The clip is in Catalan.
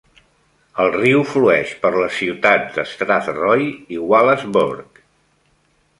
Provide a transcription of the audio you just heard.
El riu flueix per les ciutats d"Strathroy i Wallaceburg.